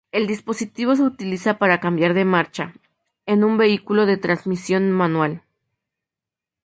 El dispositivo se utiliza para cambiar de marcha, en un vehículo de transmisión manual.